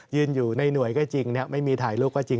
ยืนอยู่ในหน่วยก็จริงไม่มีถ่ายรูปก็จริง